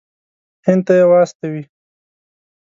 هند ته یې واستوي.